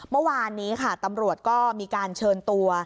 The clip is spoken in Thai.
เมื่อวานนี้ค่ะตำรวจก็มีการเชิญตัว